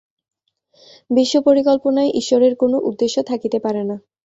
বিশ্ব-পরিকল্পনায় ঈশ্বরের কোন উদ্দেশ্য থাকিতে পারে না।